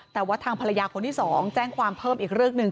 แต่ว่าทางภรรยาคนที่๒แจ้งความเพิ่มอีกเรื่องหนึ่ง